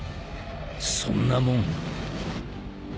「そんなもん」？